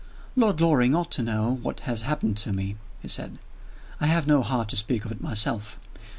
"Lord Loring ought to know what has happened to me," he said. "I have no heart to speak of it myself.